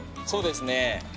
そうですね。